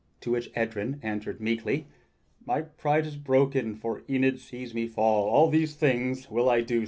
To which Edryn answered meekly: "My pride is broken, for Enid sees me fall. All these things will I do.